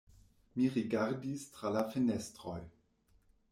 Mi rigardis tra la fenestroj.